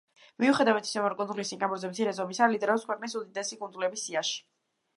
მიუხედავად იმისა, რომ კუნძული სინგაპურზე მცირე ზომისაა, ლიდერობს ქვეყნის უდიდესი კუნძულების სიაში.